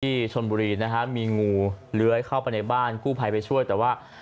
ที่ชนบุรีนะฮะมีงูเลื้อยเข้าไปในบ้านกู้ภัยไปช่วยแต่ว่า